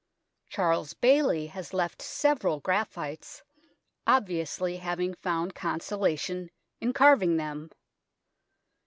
Charles Bailly has left several graphites, obviously having found consolation in carving them.